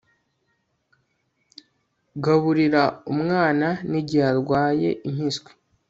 gaburira umwana n'igihe arwaye impiswi